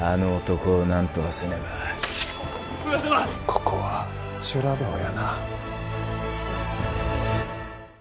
ここは修羅道やな。